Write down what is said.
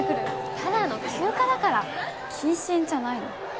ただの休暇だから謹慎じゃないの？